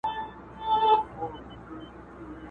هغه بې ږغه او بې شوره ونه!